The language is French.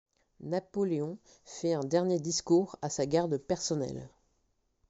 Napoléon fait un dernier discours à sa garde personnelle.